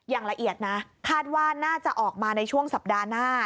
อย่างละเอียดนะคาดว่าน่าจะออกมาในช่วงสัปดาห์หน้า